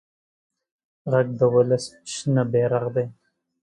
غږ د ولس شنه بېرغ دی